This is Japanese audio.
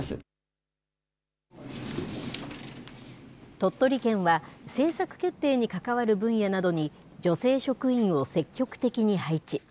鳥取県は、政策決定に関わる分野などに女性職員を積極的に配置。